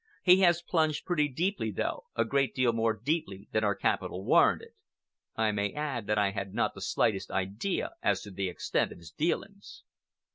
He has plunged pretty deeply, though, a great deal more deeply than our capital warranted. I may add that I had not the slightest idea as to the extent of his dealings."